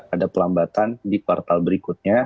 ada pelambatan di kuartal berikutnya